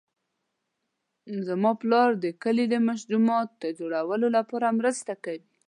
زما پلار د کلي د جومات د جوړولو لپاره مرسته کوي